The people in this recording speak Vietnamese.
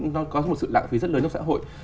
nó có một sự lãng phí rất lớn trong xã hội